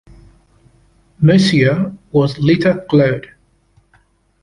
Mercier was later cleared.